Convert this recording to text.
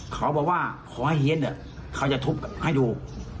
ก็บอกว่าขอให้เฮียนเถอะเขาจะทุกข์ให้ดู